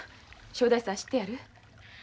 正太夫さん知ってやる？